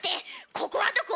ここはどこ？